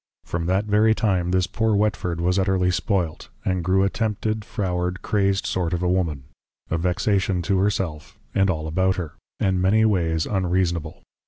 From that very time, this poor Whetford was utterly spoilt, and grew a Tempted, Froward, Crazed sort of a Woman; a vexation to her self, and all about her; and many ways unreasonable.